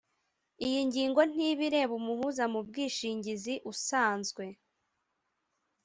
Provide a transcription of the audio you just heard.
iyi ngingo ntibireba umuhuza mu bwishingizi usanzwe.